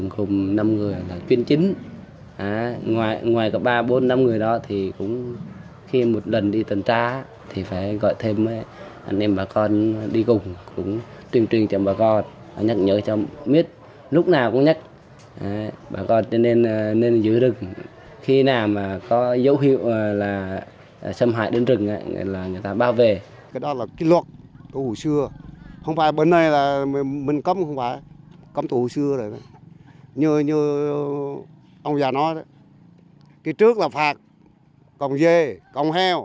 khi nào mà có dấu hiệu là xâm hại đến rừng là người ta bao vệ